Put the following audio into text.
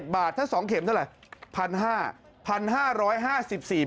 ๗๗๗บาทถ้า๒เข็มเท่าไร